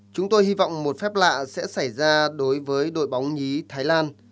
chúng tôi hy vọng một phép lạ sẽ xảy ra đối với đội bóng nhí thái lan